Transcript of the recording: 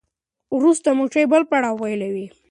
وروسته مچۍ بل پړاو پیلوي.